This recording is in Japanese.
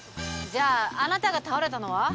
じゃああなたが倒れたのは？